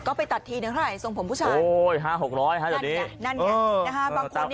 ก็ไปตัดทีหนึ่งไหร่ส่งผมผู้ชายโอ้โหห้าหกร้อยฮะดีนั่นไงนั่นไง